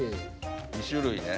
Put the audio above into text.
２種類ね。